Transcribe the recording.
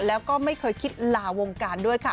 แล้วก็ไม่เคยคิดลาวงการด้วยค่ะ